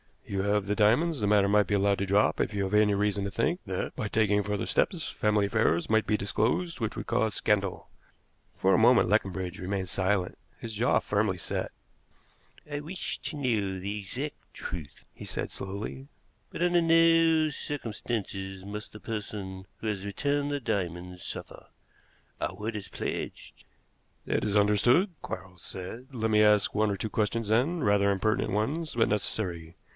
"You have the diamonds; the matter might be allowed to drop if you have any reason to think that, by taking further steps, family affairs might be disclosed which would cause scandal." For a moment Leconbridge remained silent, his jaw very firmly set. "I wish to know the exact truth," he said slowly, "but under no circumstances must the person who has returned the diamonds suffer. Our word is pledged." "That is understood," Quarles said. "Let me ask one or two questions, then rather impertinent ones, but necessary.